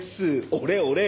俺俺。